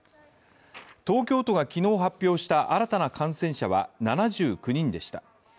東京都が昨日発表した新たな感染者は７９人でした。